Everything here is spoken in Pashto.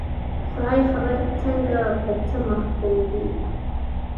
خدای خبر څنګه، په څه محکوم دي